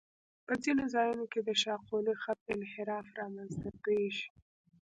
په ځینو ځایونو کې د شاقولي خط انحراف رامنځته کیږي